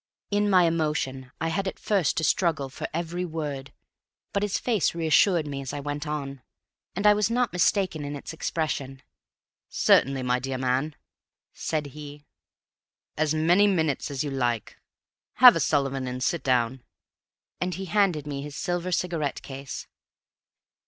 In my emotion I had at first to struggle for every word; but his face reassured me as I went on, and I was not mistaken in its expression. "Certainly, my dear man," said he; "as many minutes as you like. Have a Sullivan and sit down." And he handed me his silver cigarette case.